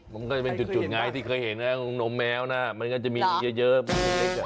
มันก็จะเป็นจุดไงที่เคยเห็นนะนมแมวนะมันก็จะมีเยอะ